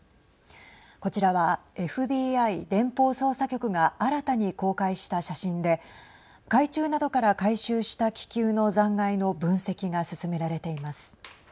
こちらはＦＢＩ＝連邦捜査局が新たに公開した写真で海中などから回収した気球の残骸の分析が進められています。